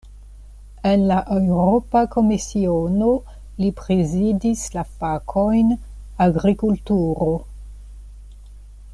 En la Eŭropa Komisiono, li prezidis la fakojn "agrikulturo".